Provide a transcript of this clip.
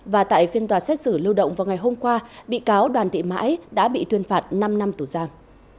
và tại phiên tòa xét xử lưu động vào ngày hôm qua bị cáo đoàn thị mãi đã bị tuyên phạt năm năm tù giam